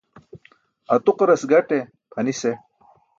Atuqaras gaṭe pʰanis eh.